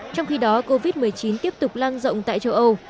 trong khi đó covid một mươi chín tiếp tục lan rộng tại châu âu